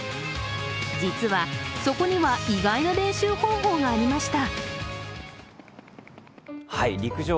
実は、そこには意外な練習方法がありました。